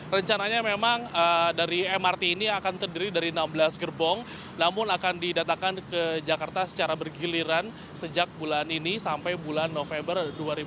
rencananya memang dari mrt ini akan terdiri dari enam belas gerbong namun akan didatakan ke jakarta secara bergiliran sejak bulan ini sampai bulan november dua ribu dua puluh